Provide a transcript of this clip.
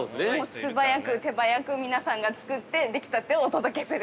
◆素早く、手早く皆さんが作ってできたてをお届けする。